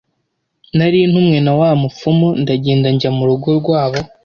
nari ntumwe na wa mupfumu ndagenda njya mu rugo rwabo